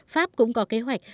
pháp cũng có kế hoạch